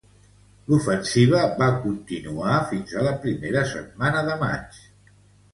L'ofensiva va continuar fins a la primera setmana de maig.